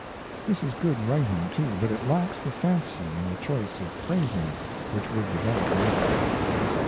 This is good writing too, but it lacks the fancy and the choice of phrasing which would develop later.